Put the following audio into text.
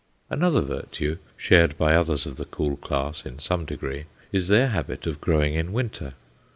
Another virtue, shared by others of the cool class in some degree, is their habit of growing in winter.